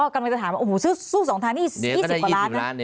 อ๋อกำลังจะถามโอ้โหสู้สองทางนี่๒๐ประมาณ